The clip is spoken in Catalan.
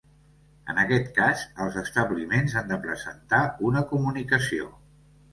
En aquest cas, els establiments han de presentar una comunicació.